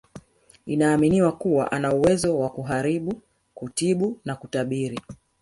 Inaaminiwa kuwa anauwezo wa kuharibu kutibu na kutabiri